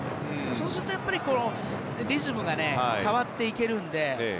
そうするとリズムが変わっていけるので。